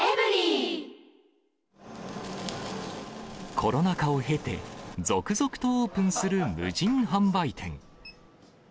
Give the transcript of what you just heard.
コロナ禍を経て、続々とオープンする無人販売店。